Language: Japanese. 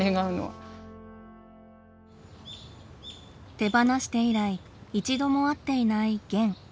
手放して以来一度も会っていないゲン。